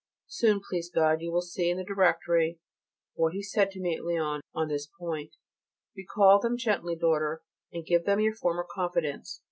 Soon, please God, you will see in the Directory what he said to me at Lyons on this point. Recall them gently, daughter, and give them your former confidence.